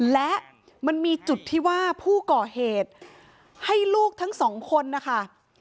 และมันมีจุดที่ว่าผู้ก่อเหตุให้ลูกทั้งสองคนนะคะ